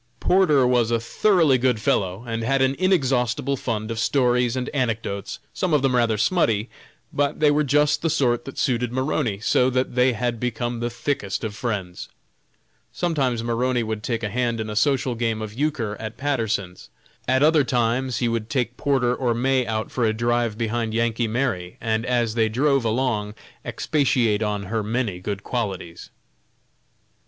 Porter was a thoroughly good fellow, and had an inexhaustible fund of stories and anecdotes, some of them rather "smutty," but they were just the sort that suited Maroney, so that they had become the thickest of friends. Sometimes Maroney would take a hand in a social game of euchre at Patterson's, at other times he would take Porter or May out for a drive behind "Yankee Mary," and as they drove along expatiate on her many good qualities.